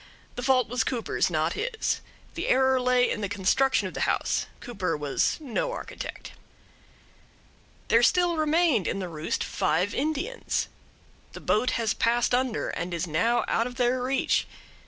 The fault was Cooper's, not his. The error lay in the construction of the house. Cooper was no architect. There still remained in the roost five Indians. The boat has passed under and is now out of their reach.